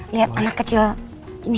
lihat anak kecil ini